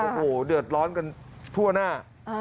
โอ้โหเดือดร้อนกันทั่วหน้า